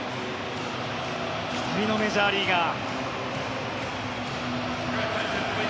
２人のメジャーリーガー。